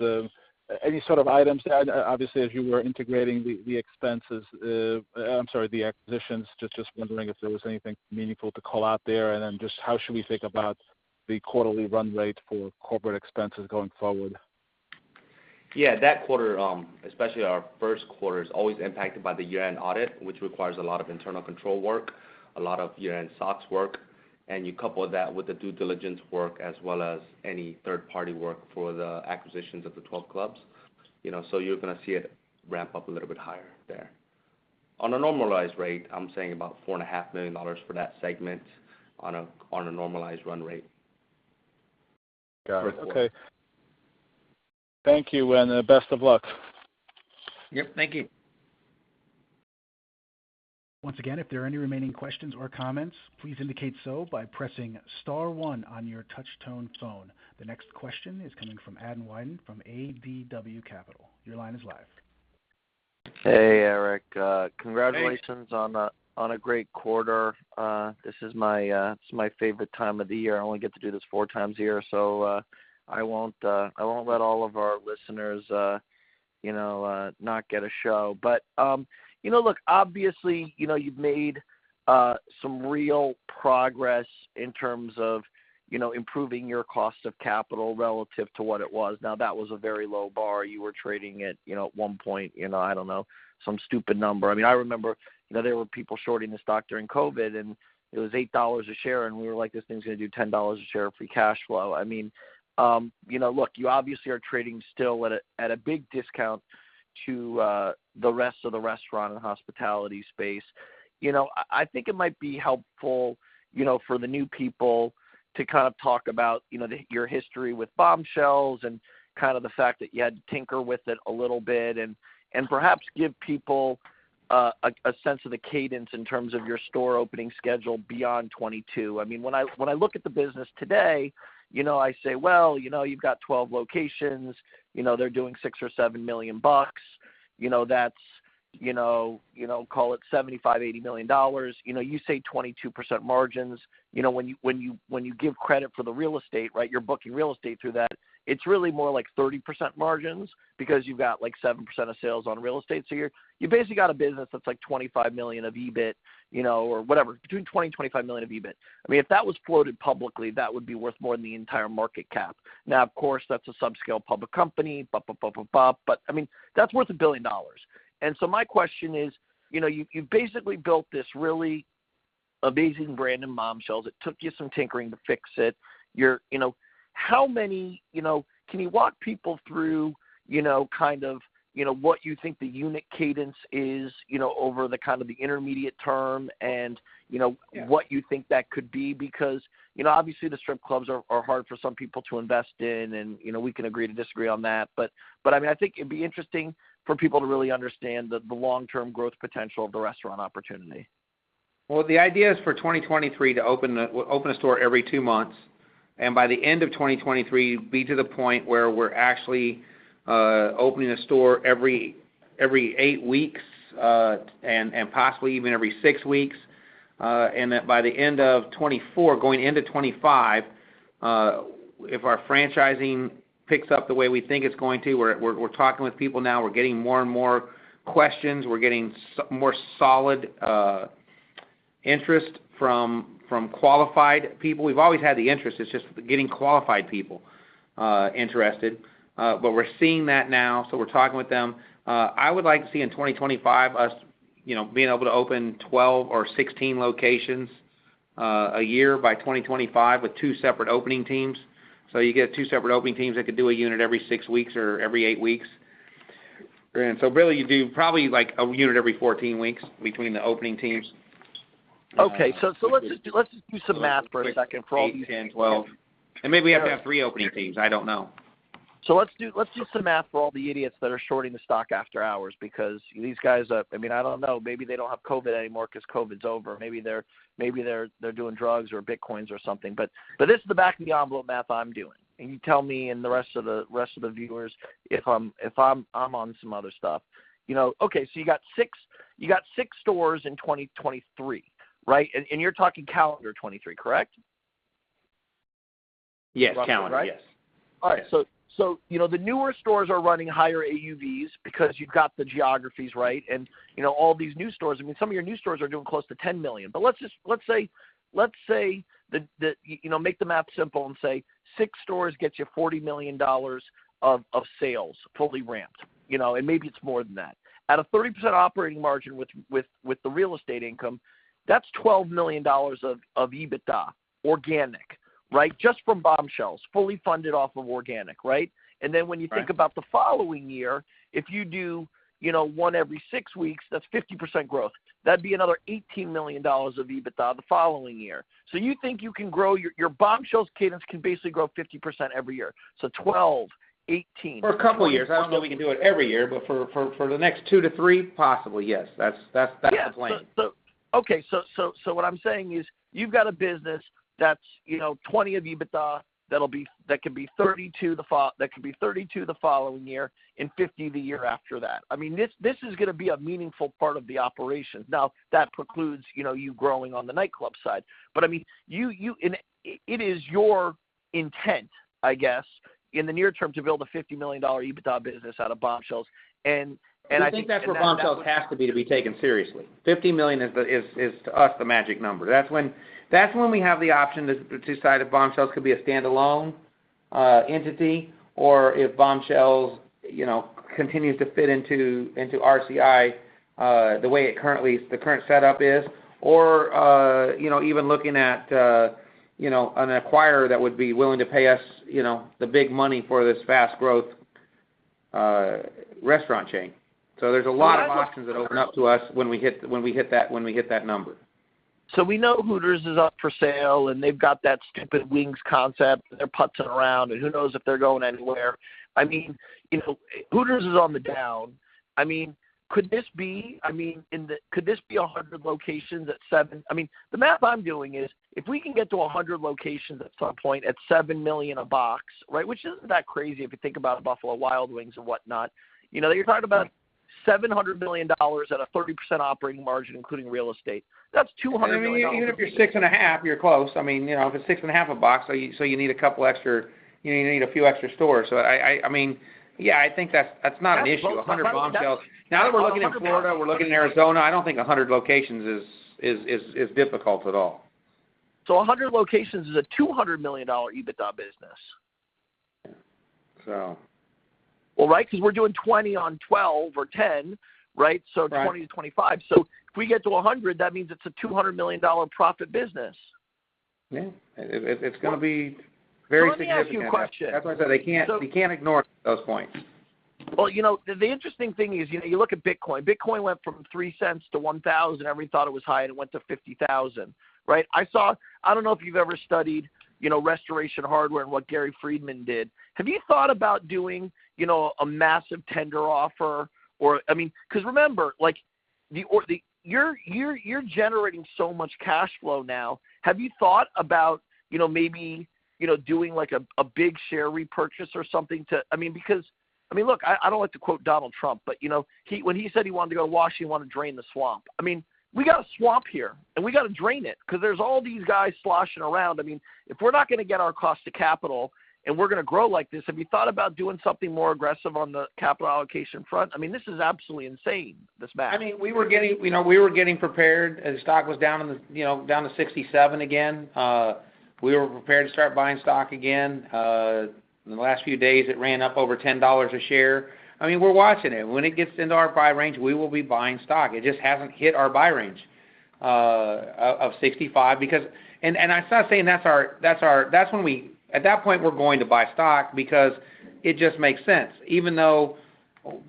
any sort of items. Obviously, as you were integrating the acquisitions, just wondering if there was anything meaningful to call out there. Just how should we think about the quarterly run rate for corporate expenses going forward? Yeah, that quarter, especially our first quarter, is always impacted by the year-end audit, which requires a lot of internal control work, a lot of year-end SOX work. You couple that with the due diligence work as well as any third-party work for the acquisitions of the 12 clubs, you know, so you're gonna see it ramp up a little bit higher there. On a normalized rate, I'm saying about $4.5 million for that segment on a normalized run rate. Got it. Okay. For the quarter. Thank you, and best of luck. Yep. Thank you. Once again, if there are any remaining questions or comments, please indicate so by pressing star one on your touch tone phone. The next question is coming from Adam Wyden from ADW Capital. Your line is live. Hey, Eric. Congratulations. Hey on a great quarter. This is my favorite time of the year. I only get to do this four times a year, so I won't let all of our listeners, you know, not get a show. You know, look, obviously, you know, you've made some real progress in terms of, you know, improving your cost of capital relative to what it was. Now, that was a very low bar. You were trading at, you know, at one point, you know, I don't know, some stupid number. I mean, I remember that there were people shorting the stock during COVID, and it was $8 a share, and we were like, "This thing's gonna do $10 a share free cash flow." I mean, you know, look, you obviously are trading still at a big discount to the rest of the restaurant and hospitality space. You know, I think it might be helpful, you know, for the new people to kind of talk about, you know, the, your history with Bombshells and kind of the fact that you had to tinker with it a little bit and perhaps give people a sense of the cadence in terms of your store opening schedule beyond 2022. I mean, when I look at the business today, you know, I say, "Well, you know, you've got 12 locations. You know, they're doing $6 million-$7 million. You know, that's, you know, call it $75 million-$80 million. You know, you say 22% margins. You know, when you give credit for the real estate, right, you're booking real estate through that, it's really more like 30% margins because you've got, like, 7% of sales on real estate. So you basically got a business that's, like, $25 million of EBIT, you know, or whatever, between $20 million and $25 million of EBIT. I mean, if that was floated publicly, that would be worth more than the entire market cap. Now, of course, that's a subscale public company. But I mean, that's worth $1 billion. My question is, you know, you basically built this really amazing brand in Bombshells. It took you some tinkering to fix it. You know, can you walk people through, you know, kind of, you know, what you think the unit cadence is, you know, over the kind of the intermediate term and, you know? Yeah... what you think that could be? Because, you know, obviously the strip clubs are hard for some people to invest in and, you know, we can agree to disagree on that. I mean, I think it'd be interesting for people to really understand the long-term growth potential of the restaurant opportunity. Well, the idea is for 2023 to open a store every two months, and by the end of 2023, be to the point where we're actually opening a store every eight weeks, and possibly even every six weeks. That by the end of 2024, going into 2025, if our franchising picks up the way we think it's going to, we're talking with people now. We're getting more and more questions. We're getting more solid interest from qualified people. We've always had the interest. It's just getting qualified people interested. We're seeing that now, so we're talking with them. I would like to see in 2025 us, you know, being able to open 12 or 16 locations a year by 2025 with two separate opening teams. You get two separate opening teams that could do a unit every six weeks or every eight weeks. Really, you do probably, like, a unit every 14 weeks between the opening teams. Okay. Let's just do some math for a second. For all the eight, 10, 12. Maybe we have to have three opening teams. I don't know. Let's do some math for all the idiots that are shorting the stock after hours because these guys are. I mean, I don't know. Maybe they don't have COVID anymore because COVID's over. Maybe they're doing drugs or Bitcoins or something. This is the back-of-the-envelope math I'm doing. You tell me and the rest of the viewers if I'm on some other stuff. You know, okay, you got six stores in 2023, right? You're talking calendar 2023, correct? Yes, calendar, yes. All right. You know, the newer stores are running higher AUVs because you've got the geographies, right? You know, all these new stores, I mean, some of your new stores are doing close to $10 million. But let's say that you know make the math simple and say six stores gets you $40 million of sales fully ramped, you know, and maybe it's more than that. At a 30% operating margin with the real estate income, that's $12 million of EBITDA organic, right? Just from Bombshells, fully funded off of organic, right? Right. Then when you think about the following year, if you do, you know, one every six weeks, that's 50% growth. That'd be another $18 million of EBITDA the following year. You think you can grow. Your Bombshells cadence can basically grow 50% every year. $12 million, $18 million For a couple of years. I don't know if we can do it every year, but for the next two to three, possibly, yes. That's the plan. Yeah. Okay, what I'm saying is you've got a business that's, you know, 20 million EBITDA that could be 32 million the following year and 50 million the year after that. I mean, this is gonna be a meaningful part of the operation. Now, that precludes, you know, you growing on the nightclub side. I mean, it is your intent, I guess, in the near term to build a $50 million EBITDA business out of Bombshells and I think that's what. We think that's where Bombshells has to be to be taken seriously. $50 million is to us the magic number. That's when we have the option to decide if Bombshells could be a standalone entity or if Bombshells, you know, continues to fit into RCI the current setup is or you know even looking at you know an acquirer that would be willing to pay us you know the big money for this fast growth restaurant chain. There's a lot of options that open up to us when we hit that number. We know Hooters is up for sale, and they've got that stupid wings concept, and they're putzing around, and who knows if they're going anywhere. I mean, you know, Hooters is on the down. I mean, could this be 100 locations at seven? I mean, the math I'm doing is if we can get to 100 locations at some point at $7 million a box, right, which isn't that crazy if you think about Buffalo Wild Wings and whatnot, you know, you're talking about $700 million at a 30% operating margin, including real estate. That's $200 million. I mean, even if you're 6.5, you're close. I mean, you know, if it's 6.5 a box, so you need a couple extra. You need a few extra stores. I mean, yeah, I think that's not an issue. 100 Bombshells. Now that we're looking in Florida, we're looking in Arizona, I don't think 100 locations is difficult at all. 100 locations is a $200 million EBITDA business. Yeah. Well, right, 'cause we're doing 20 on 12 or 10, right? Right. 20-25. If we get to 100, that means it's a $200 million profit business. Yeah. It's gonna be very significant. Let me ask you a question. That's why I said I can't, we can't ignore those points. Well, you know, the interesting thing is, you know, you look at Bitcoin. Bitcoin went from $0.03-$1,000, everyone thought it was high, and it went to $50,000, right? I don't know if you've ever studied, you know, Restoration Hardware and what Gary Friedman did. Have you thought about doing, you know, a massive tender offer? I mean, 'cause you're generating so much cash flow now. Have you thought about, you know, maybe, you know, doing like a big share repurchase or something? I mean, because, I mean, look, I don't like to quote Donald Trump, but, you know, he wanted to go to Washington, he wanted to drain the swamp. I mean, we got a swamp here, and we gotta drain it, 'cause there's all these guys sloshing around. I mean, if we're not gonna get our cost of capital, and we're gonna grow like this, have you thought about doing something more aggressive on the capital allocation front? I mean, this is absolutely insane, this math. I mean, you know, we were getting prepared. The stock was down in the 60s, you know, down to 67 again. We were prepared to start buying stock again. In the last few days, it ran up over $10 a share. I mean, we're watching it. When it gets into our buy range, we will be buying stock. It just hasn't hit our buy range of 65 because it's not saying that's our. At that point, we're going to buy stock because it just makes sense, even though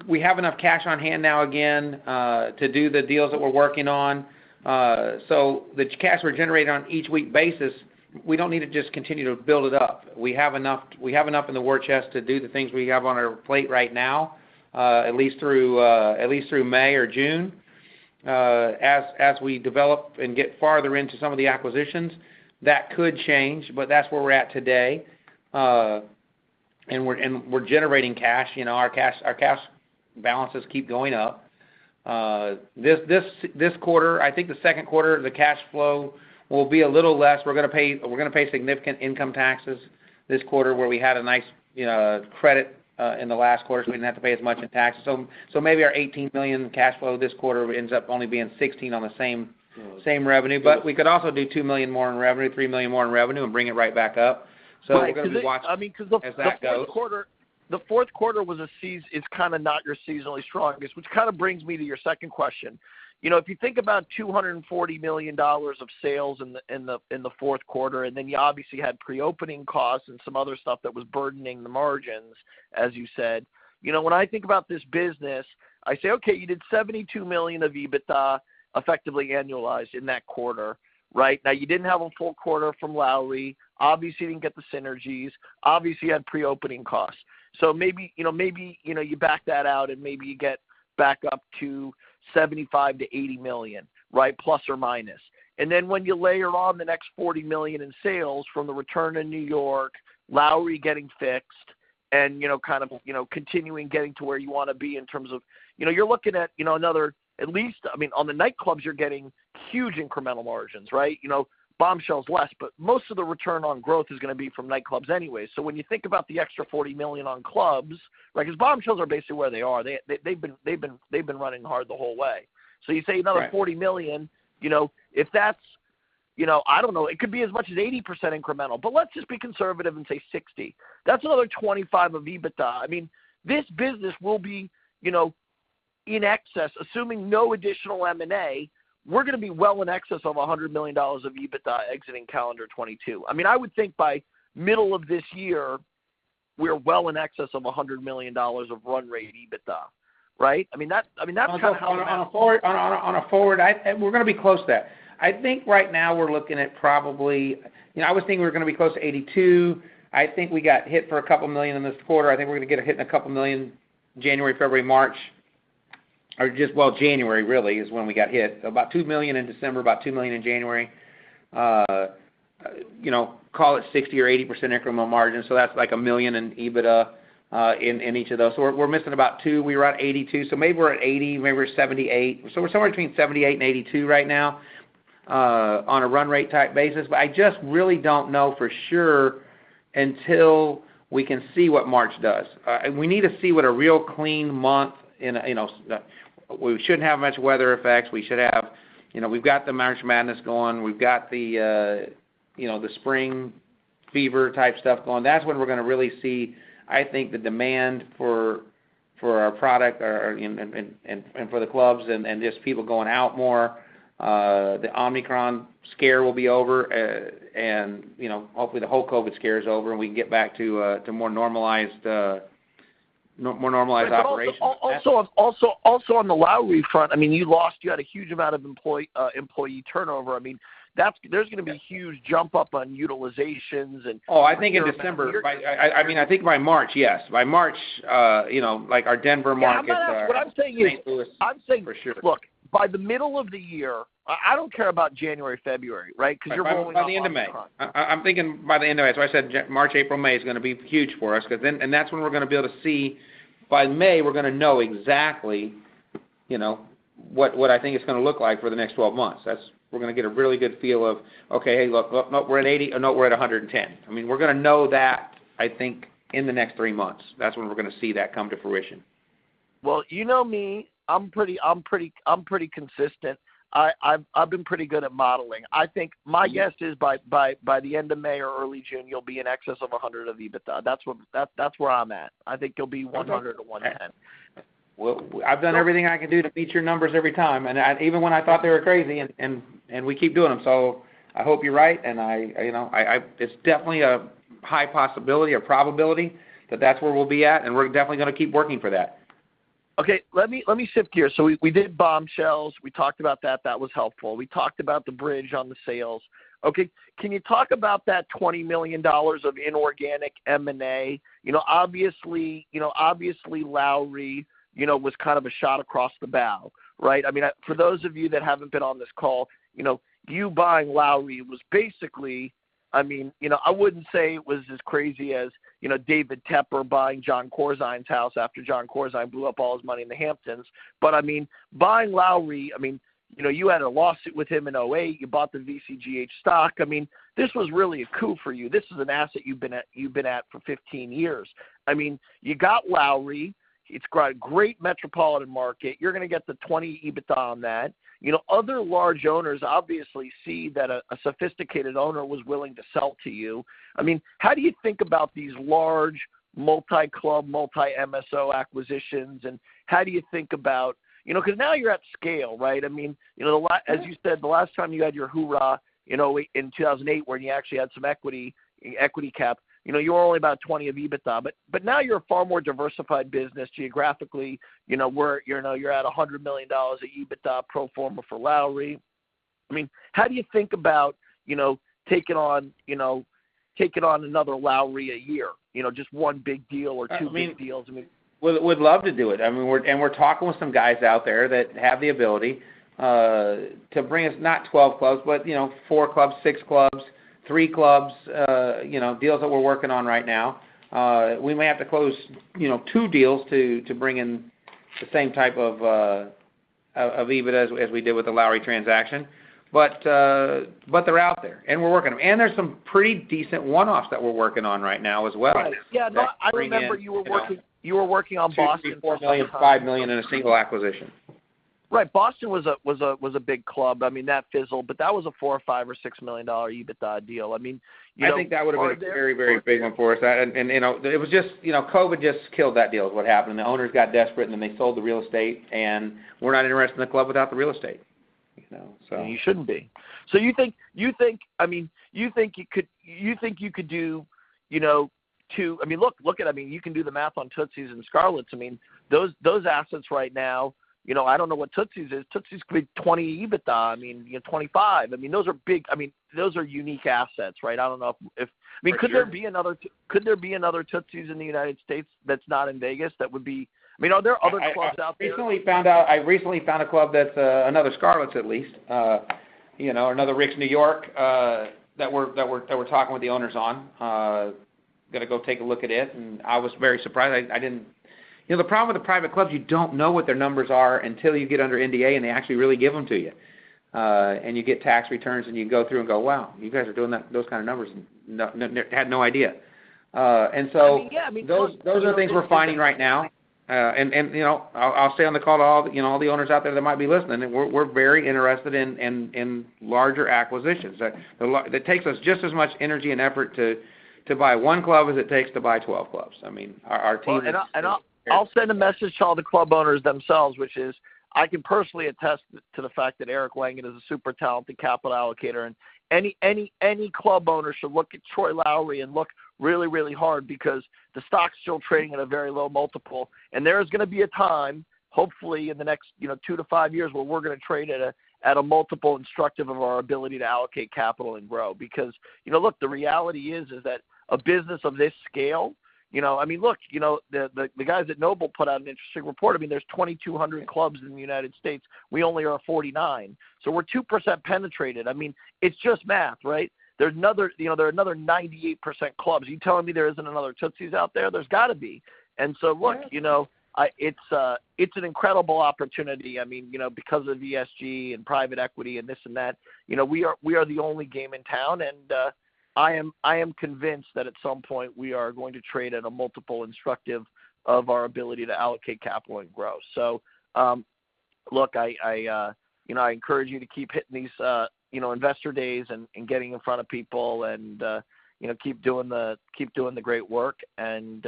we have enough cash on hand now again to do the deals that we're working on. The cash we're generating on a weekly basis, we don't need to just continue to build it up. We have enough in the war chest to do the things we have on our plate right now, at least through May or June. As we develop and get farther into some of the acquisitions, that could change, but that's where we're at today. We're generating cash. You know, our cash balances keep going up. This quarter, I think the second quarter, the cash flow will be a little less. We're gonna pay significant income taxes this quarter where we had a nice credit in the last quarter so we didn't have to pay as much in taxes. Maybe our $18 million cash flow this quarter ends up only being $16 million on the same revenue. We could also do $2 million more in revenue, $3 million more in revenue and bring it right back up. We're gonna watch as that goes. It's kind of not your seasonally strongest, which kind of brings me to your second question. You know, if you think about $240 million of sales in the fourth quarter, and then you obviously had pre-opening costs and some other stuff that was burdening the margins, as you said. You know, when I think about this business, I say, okay, you did $72 million of EBITDA effectively annualized in that quarter, right? Now, you didn't have a full quarter from Lowrie. Obviously, you didn't get the synergies. Obviously, you had pre-opening costs. So maybe, you know, you back that out and maybe you get back up to $75 million-$80 million, right? Plus or minus. When you layer on the next $40 million in sales from the return in New York, Lowrie getting fixed, and you know, kind of, you know, continuing getting to where you want to be in terms of, you know, you're looking at, you know, another, at least, I mean, on the nightclubs, you're getting huge incremental margins, right? You know, Bombshells less, but most of the return on growth is going to be from nightclubs anyway. When you think about the extra $40 million on clubs, right, because Bombshells are basically where they are. They've been running hard the whole way. You say another $40 million, you know, if that's, you know, I don't know, it could be as much as 80% incremental, but let's just be conservative and say 60%. That's another $25 million of EBITDA. I mean, this business will be, you know, in excess, assuming no additional M&A, we're going to be well in excess of $100 million of EBITDA exiting calendar 2022. I mean, I would think by middle of this year, we're well in excess of $100 million of run rate EBITDA, right? I mean, that's kind of how I'm at it. On a forward, and we're going to be close to that. I think right now we're looking at probably, you know, I was thinking we were going to be close to 82. I think we got hit for $2 million in this quarter. I think we're going to get hit $2 million January, February, March, or just, well, January really is when we got hit. About $2 million in December, about $2 million in January. You know, call it 60% or 80% incremental margin, so that's like $1 million in EBITDA in each of those. So we're missing about $2 million. We were at 82, so maybe we're at 80, maybe we're at 78. So we're somewhere between 78 and 82 right now on a run rate type basis. I just really don't know for sure until we can see what March does. We need to see what a real clean month. We shouldn't have much weather effects. We should have, you know, we've got the March Madness going. We've got the, you know, the spring fever type stuff going. That's when we're going to really see, I think, the demand for our product or and for the clubs and just people going out more. The Omicron scare will be over, and, you know, hopefully the whole COVID scare is over, and we can get back to more normalized operations. Also on the Lowrie front, I mean, you had a huge amount of employee turnover. I mean, there's gonna be a huge jump up on utilizations and turnover. Oh, I think in December. I mean, I think by March, yes. By March, you know, like our Denver markets are- Yeah, I'm gonna ask. What I'm saying is. St. Louis, for sure. I'm saying, look, by the middle of the year, I don't care about January, February, right? Because you're rolling out Omicron. By the end of May. I'm thinking by the end of May. I said March, April, May is gonna be huge for us because then that's when we're gonna be able to see. By May, we're gonna know exactly, you know, what I think it's gonna look like for the next 12 months. We're gonna get a really good feel of, okay, hey, look, we're at 80. Oh, no, we're at 110. I mean, we're gonna know that, I think, in the next three months. That's when we're gonna see that come to fruition. Well, you know me, I'm pretty consistent. I've been pretty good at modeling. I think my guess is by the end of May or early June, you'll be in excess of 100 of EBITDA. That's where I'm at. I think you'll be 100-110. Well, I've done everything I can do to beat your numbers every time, and even when I thought they were crazy, and we keep doing them. I hope you're right, and I, you know, it's definitely a high possibility or probability that that's where we'll be at, and we're definitely gonna keep working for that. Okay, let me shift gears. We did Bombshells. We talked about that. That was helpful. We talked about The Bridge on the sales. Okay, can you talk about that $20 million of inorganic M&A? You know, obviously, you know, obviously Lowrie, you know, was kind of a shot across the bow, right? I mean, for those of you that haven't been on this call, you know, you buying Lowrie was basically, I mean, you know, I wouldn't say it was as crazy as, you know, David Tepper buying Jon Corzine's house after Jon Corzine blew up all his money in the Hamptons. I mean, buying Lowrie, I mean, you know, you had a lawsuit with him in 2008. You bought the VCGH stock. I mean, this was really a coup for you. This is an asset you've been at for 15 years. I mean, you got Lowrie. It's got a great metropolitan market. You're gonna get the 20 EBITDA on that. You know, other large owners obviously see that a sophisticated owner was willing to sell to you. I mean, how do you think about these large multi-club, multi-MSO acquisitions, and how do you think about. You know, because now you're at scale, right? I mean, you know, as you said, the last time you had your hurrah in 2008, where you actually had some equity cap, you know, you were only about 20 of EBITDA. Now you're a far more diversified business geographically. You know, you're at $100 million of EBITDA pro forma for Lowrie. I mean, how do you think about, you know, taking on, you know, taking on another Lowrie a year, you know, just one big deal or two big deals? I mean, we'd love to do it. I mean, we're talking with some guys out there that have the ability to bring us not 12 clubs, but you know, four clubs, six clubs, three clubs, you know, deals that we're working on right now. We may have to close you know, two deals to bring in the same type of EBITDA as we did with the Lowrie transaction. But they're out there, and we're working them. There's some pretty decent one-offs that we're working on right now as well that bring in- Right. Yeah, no, I remember you were working on Boston at the time.... $2 million, $3 million, $4 million, $5 million in a single acquisition. Right. Boston was a big club. I mean, that fizzled, but that was a $4 million-$6 million EBITDA deal. I mean, you know, are there- I think that would've been a very, very big one for us. You know, it was just, you know, COVID just killed that deal is what happened. The owners got desperate, and then they sold the real estate, and we're not interested in the club without the real estate, you know. You shouldn't be. You think you could do, you know, I mean, look at, I mean, you can do the math on Tootsie's and Scarlett's. I mean, those assets right now, you know, I don't know what Tootsie's is. Tootsie's could be 20 EBITDA. I mean, you know, 25. I mean, those are big, I mean, those are unique assets, right? I don't know if Could hear. I mean, could there be another Tootsie's in the United States that's not in Vegas? I mean, are there other clubs out there? I recently found out a club that's another Scarlett's at least. You know, another Rick's New York that we're talking with the owners on. Gonna go take a look at it, and I was very surprised. I didn't know. You know, the problem with the private clubs, you don't know what their numbers are until you get under NDA, and they actually really give them to you. You get tax returns, and you go through and go, "Wow, you guys are doing that, those kind of numbers." I had no idea. I mean, yeah. Those are the things we're finding right now. You know, I'll stay on the call to all the owners out there that might be listening. We're very interested in larger acquisitions. It takes us just as much energy and effort to buy one club as it takes to buy 12 clubs. I mean, our team is- I’ll send a message to all the club owners themselves, which is, I can personally attest to the fact that Eric Langan is a super talented capital allocator. Any club owner should look at Troy Lowrie and look really hard because the stock’s still trading at a very low multiple. There is gonna be a time, hopefully in the next, you know, two to five years, where we’re gonna trade at a multiple indicative of our ability to allocate capital and grow. You know, look, the reality is that a business of this scale, you know. I mean, look, you know, the guys at Noble put out an interesting report. I mean, there’s 2,200 clubs in the United States. We only own 49, so we’re 2% penetrated. I mean, it’s just math, right? You know, there are another 98% clubs. You telling me there isn't another Tootsie's out there? There's gotta be. Look- Yeah. You know, it's an incredible opportunity. I mean, you know, because of ESG and private equity and this and that, you know, we are the only game in town, and I am convinced that at some point we are going to trade at a multiple instructive of our ability to allocate capital and grow. Look, I encourage you to keep hitting these investor days and getting in front of people and keep doing the great work, and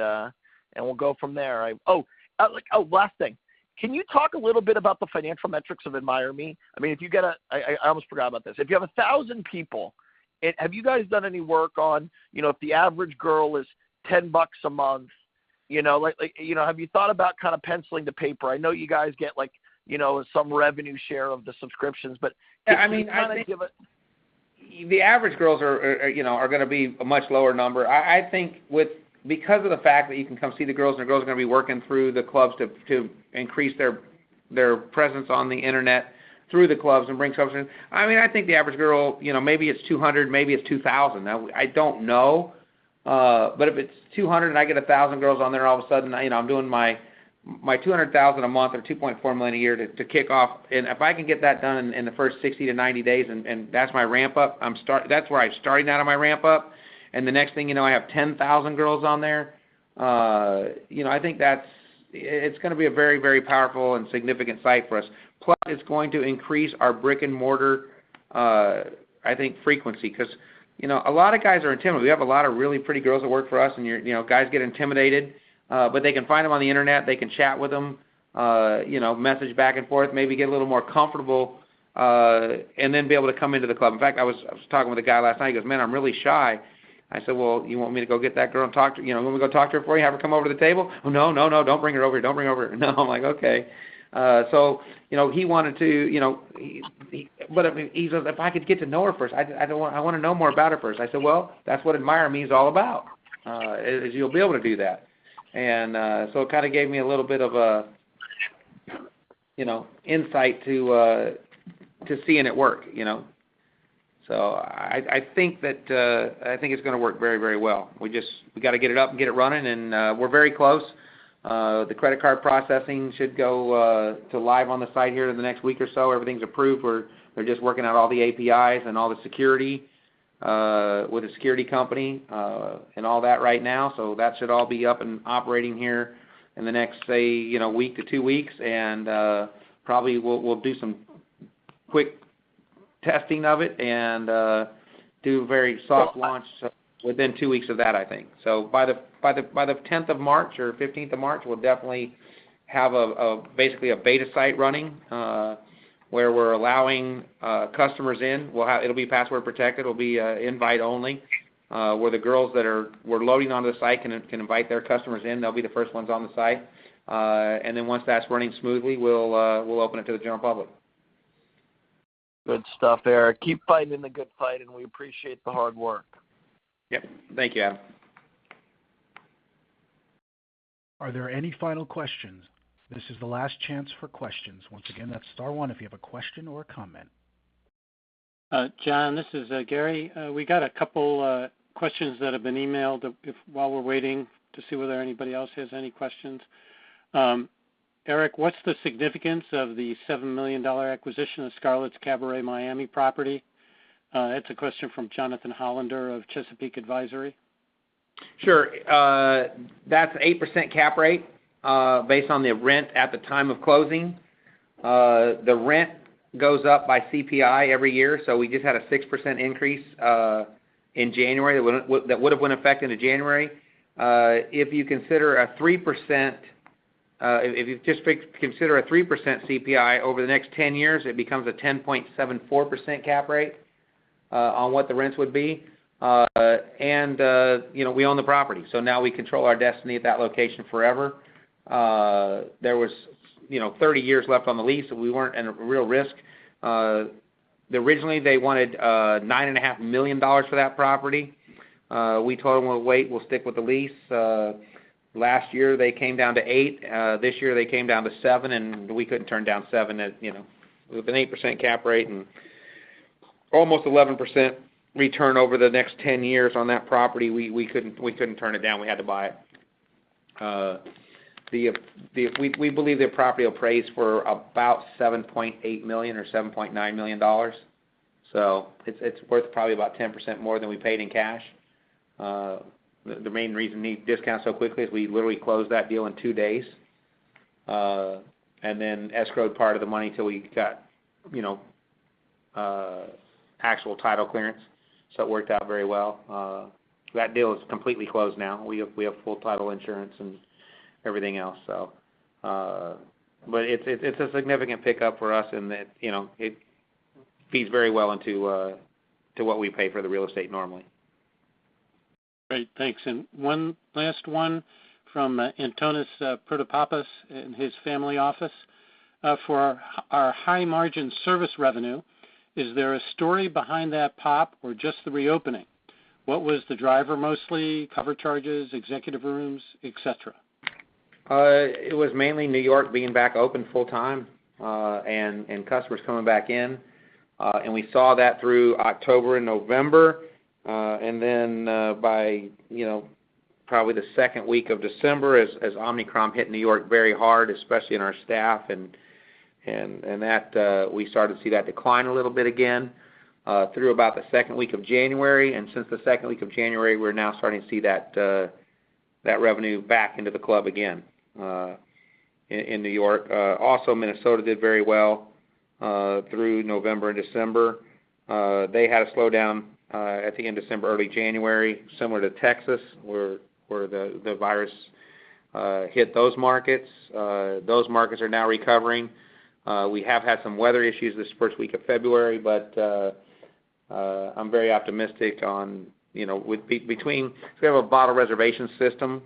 we'll go from there. Oh, like, last thing. Can you talk a little bit about the financial metrics of AdmireMe? I mean, if you get a. I almost forgot about this. If you have 1,000 people, have you guys done any work on, you know, if the average girl is $10 a month, you know, like, have you thought about kind of penciling the paper? I know you guys get like, you know, some revenue share of the subscriptions, but- I mean, I think. Can you kind of give a- The average girls are you know gonna be a much lower number. I think because of the fact that you can come see the girls, and the girls are gonna be working through the clubs to increase their presence on the internet through the clubs and bring subscribers in. I mean, I think the average girl you know maybe it's $200, maybe it's $2,000. I don't know. If it's $200, and I get 1,000 girls on there, all of a sudden you know I'm doing my $200,000 a month or $2.4 million a year to kick off. If I can get that done in the first 60-90 days, and that's my ramp up, that's where I'm starting out on my ramp up, and the next thing you know, I have 10,000 girls on there, you know, I think that's. It's gonna be a very, very powerful and significant site for us. Plus, it's going to increase our brick-and-mortar, I think, frequency because, you know, a lot of guys are intimidated. We have a lot of really pretty girls that work for us, and you know, guys get intimidated. But they can find them on the internet. They can chat with them, you know, message back and forth, maybe get a little more comfortable, and then be able to come into the club. In fact, I was talking with a guy last night. He goes, "Man, I'm really shy." I said, "Well, you want me to go get that girl and talk to, you know, want me to go talk to her for you, have her come over to the table?" "No. Don't bring her over here." I'm like, "Okay." So, you know, he wanted to, you know. He. But, I mean, he says, "If I could get to know her first, I wanna know more about her first." I said, "Well, that's what AdmireMe is all about, is you'll be able to do that." So it kind of gave me a little bit of a, you know, insight to seeing it work, you know. I think it's gonna work very, very well. We just gotta get it up and get it running, and we're very close. The credit card processing should go to live on the site here in the next week or so. Everything's approved. We're just working out all the APIs and all the security with the security company and all that right now. That should all be up and operating here in the next, say, you know, week to two weeks. Probably we'll do some quick testing of it and do a very soft launch within two weeks of that, I think. By the 10th of March or 15th of March, we'll definitely have basically a beta site running, where we're allowing customers in. It'll be password protected. It'll be invite only, where the girls we're loading onto the site can invite their customers in. They'll be the first ones on the site. Once that's running smoothly, we'll open it to the general public. Good stuff, Eric. Keep fighting the good fight, and we appreciate the hard work. Yep. Thank you, Adam. Are there any final questions? This is the last chance for questions. Once again, that's star one if you have a question or a comment. John, this is Gary. We got a couple questions that have been emailed while we're waiting to see whether anybody else has any questions. Eric, what's the significance of the $7 million acquisition of Scarlett's Cabaret Miami property? That's a question from Jonathan Hollander of Chesapeake Advisory. Sure. That's 8% cap rate based on the rent at the time of closing. The rent goes up by CPI every year, so we just had a 6% increase in January. That would have gone into effect in January. If you just consider a 3% CPI over the next 10 years, it becomes a 10.74% cap rate on what the rents would be. You know, we own the property, so now we control our destiny at that location forever. You know, there was 30 years left on the lease, so we weren't in a real risk. Originally, they wanted $9.5 million for that property. We told them we'll wait, we'll stick with the lease. Last year, they came down to 8%. This year, they came down to 7%, and we couldn't turn down 7% at, you know, with an 8% cap rate and almost 11% return over the next 10 years on that property. We couldn't turn it down. We had to buy it. We believe the property appraised for about $7.8 million or $7.9 million. So it's worth probably about 10% more than we paid in cash. The main reason we discount so quickly is we literally closed that deal in two days, and then escrowed part of the money till we got, you know, actual title clearance. So it worked out very well. That deal is completely closed now. We have full title insurance and everything else. It's a significant pickup for us and it, you know, feeds very well into what we pay for the real estate normally. Great. Thanks. One last one from Antonis Protopapas in his family office. For our high margin service revenue, is there a story behind that pop or just the reopening? What was the driver mostly? Cover charges, executive rooms, etc. It was mainly New York being back open full-time, and customers coming back in. We saw that through October and November. By, you know, probably the second week of December as Omicron hit New York very hard, especially in our staff, and that we started to see that decline a little bit again through about the second week of January. Since the second week of January, we're now starting to see that revenue back into the club again in New York. Minnesota did very well through November and December. They had a slowdown at the end of December, early January, similar to Texas, where the virus hit those markets. Those markets are now recovering. We have had some weather issues this first week of February, but I'm very optimistic, you know. We have a bottle reservation system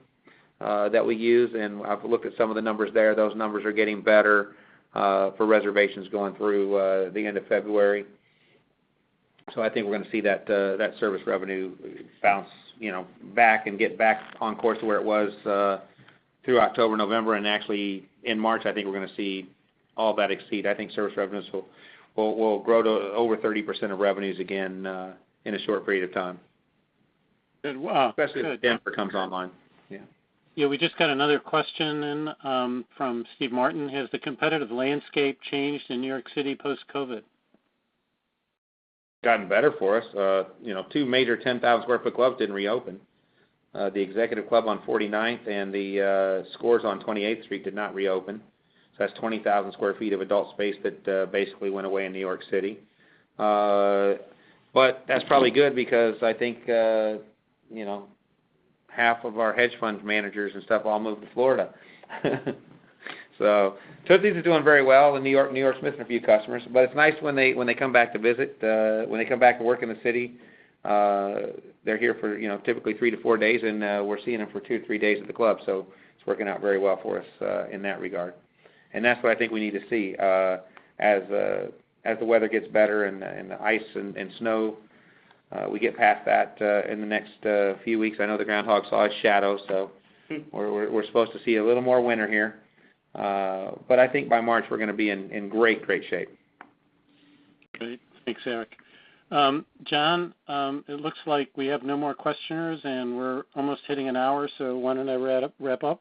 that we use, and I've looked at some of the numbers there. Those numbers are getting better for reservations going through the end of February. I think we're gonna see that service revenue bounce, you know, back and get back on course to where it was through October, November, and actually in March, I think we're gonna see all that exceed. I think service revenues will grow to over 30% of revenues again in a short period of time. Then, uh- Especially if Denver comes online. Yeah. Yeah. We just got another question in, from Steve Martin. Has the competitive landscape changed in New York City post-COVID? gotten better for us. You know, two major 10,000 sq ft clubs didn't reopen. The executive club on 49th and the Scores on 28th Street did not reopen. That's 20,000 sq ft of adult space that basically went away in New York City. That's probably good because I think you know half of our hedge fund managers and stuff all moved to Florida. Tootsie's is doing very well in New York, New York Smith and a few customers. It's nice when they come back to visit, when they come back to work in the city. They're here for you know typically three to four days, and we're seeing them for two to three days at the club. It's working out very well for us in that regard. That's what I think we need to see, as the weather gets better and the ice and snow we get past that in the next few weeks. I know the groundhog saw his shadow, so we're supposed to see a little more winter here. I think by March, we're gonna be in great shape. Great. Thanks, Eric. John, it looks like we have no more questioners, and we're almost hitting an hour, so why don't I wrap up?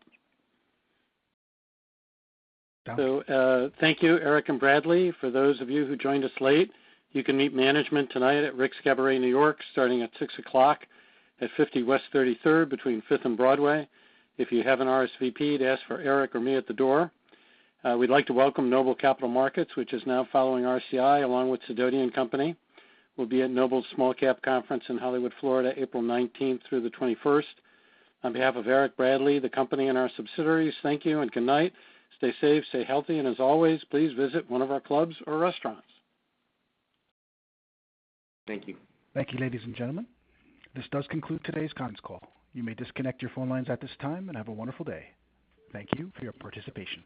Got it. Thank you, Eric and Bradley. For those of you who joined us late, you can meet management tonight at Rick's Cabaret New York, starting at 6:00 P.M. at 50 West 33rd between Fifth and Broadway. If you have an RSVP, just ask for Eric or me at the door. We'd like to welcome Noble Capital Markets, which is now following RCI, along with Sidoti & Company. We'll be at Noble Small Cap Conference in Hollywood, Florida, April 19-21. On behalf of Eric, Bradley, the company, and our subsidiaries, thank you and good night. Stay safe, stay healthy, and as always, please visit one of our clubs or restaurants. Thank you. Thank you, ladies and gentlemen. This does conclude today's conference call. You may disconnect your phone lines at this time and have a wonderful day. Thank you for your participation.